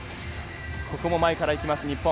ここも前からいく日本。